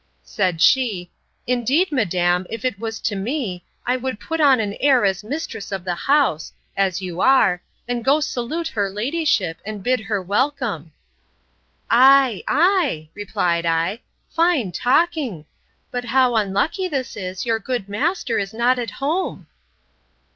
—Said she, Indeed, madam, if it was to me, I would put on an air as mistress of the house, as you are, and go and salute her ladyship, and bid her welcome. Ay, ay, replied I, fine talking!—But how unlucky this is, your good master is not at home!